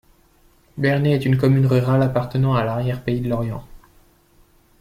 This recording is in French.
Berné est une commune rurale appartenant à l'arrière-pays de Lorient.